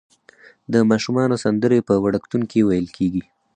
د ماشومانو سندرې په وړکتون کې ویل کیږي.